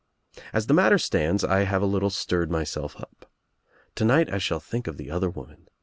As the matter stands I have a little stirred myself up. To night I shall think of the other woman.